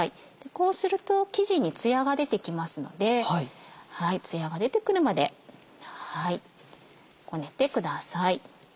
こうすると生地にツヤが出てきますのでツヤが出てくるまでこねてください。